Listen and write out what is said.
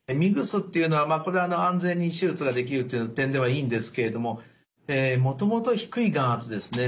ＭＩＧＳっていうのはこれは安全に手術ができるっていう点ではいいんですけれどももともと低い眼圧ですね